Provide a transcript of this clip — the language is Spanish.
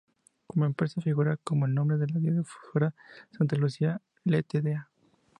Como empresa figuraba con el nombre de Radiodifusora Santa Lucía Ltda.